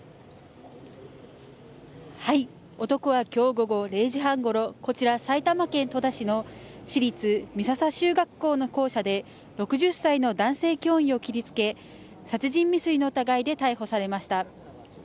男は今日午後０時半ごろこちら埼玉県戸田市の市立美笹中学校の校舎で６０歳の男性教諭を切りつけ、殺人未遂の疑いで逮捕されました。